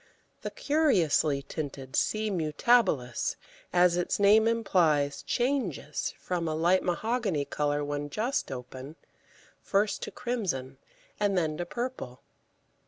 The curiously tinted C. mutabilis, as its name implies, changes from a light mahogany colour when just open, first to crimson and then to purple.